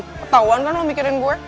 ketahuan kan lo mikirin gue